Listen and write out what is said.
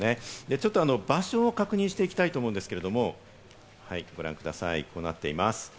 ちょっと場所を確認していただきたいと思うんですけれども、ご覧ください、こうなっています。